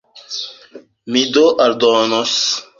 Mi do aldonos.